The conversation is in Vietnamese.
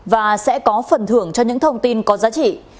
và sẽ có phần thưởng cho những thông tin có giá trị